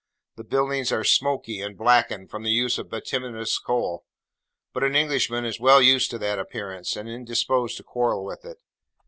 The buildings are smoky and blackened, from the use of bituminous coal, but an Englishman is well used to that appearance, and indisposed to quarrel with it.